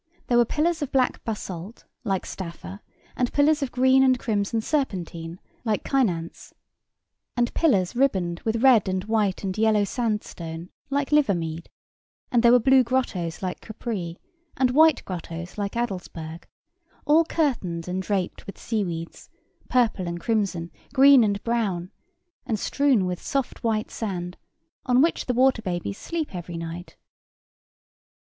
There were pillars of black basalt, like Staffa; and pillars of green and crimson serpentine, like Kynance; and pillars ribboned with red and white and yellow sandstone, like Livermead; and there were blue grottoes like Capri, and white grottoes like Adelsberg; all curtained and draped with seaweeds, purple and crimson, green and brown; and strewn with soft white sand, on which the water babies sleep every night.